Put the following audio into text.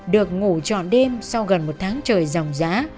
được ngủ trọn đêm sau gần một tháng trời dòng dã